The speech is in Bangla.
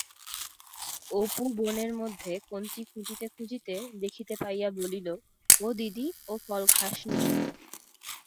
অপু বনের মধ্যে কঞ্চি খুঁজিতে খুঁজিতে দেখিতে পাইয়া বলিল, ও দিদি, ও ফল খাসনি!